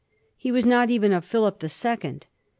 He was not even a Philip the Second.